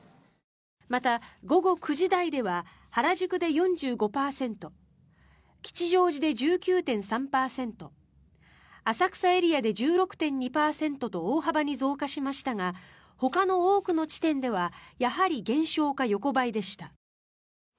また、午後９時台では原宿で４５％吉祥寺で１９．３％浅草エリアで１６．２％と大幅に増加しましたがほかの多くの地点ではやはり減少か横ばいでした。